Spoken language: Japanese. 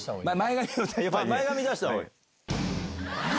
前髪出した方がいい。